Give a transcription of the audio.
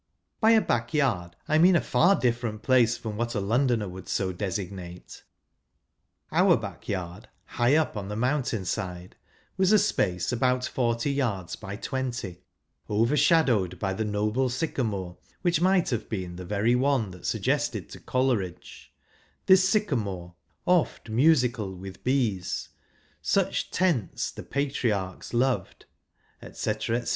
By a back yard I mean a far different place from what a Londoner would so designate ; our back I yard, high up on the mountain side, was a I space about forty yards by twenty, over sliadowed by the noble sycamore, which might have been the very one that suggested to Coleridge —" Tliis sycamore (oft musical with bees — Such tents the Patriarchs loved)" &c.,.&c.